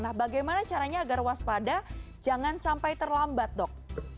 nah bagaimana caranya agar waspada jangan sampai terlambat dok